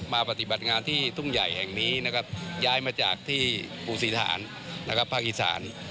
ปฏิบัติงานที่ทุ่งใหญ่แห่งนี้นะครับย้ายมาจากที่ปู่ศรีฐานนะครับภาคอีสาน